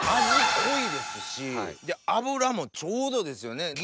味濃いですしで脂もちょうどですよね。